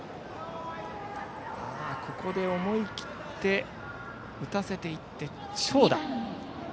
ここで思い切って打たせていって長打。